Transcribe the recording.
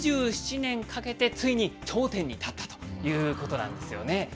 ２７年かけて、ついに頂点に立ったということなんですよね。